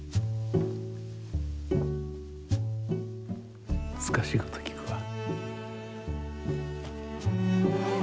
むずかしいこときくわ。